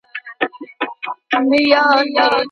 روحي ملاتړ د انسانانو ترټولو لویه اړتیا ده.